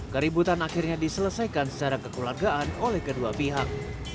keributan akhirnya diselesaikan secara kekeluargaan oleh kedua pihak